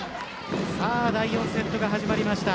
第４セットが始まりました。